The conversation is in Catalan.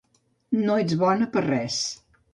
-No ets bona per a res…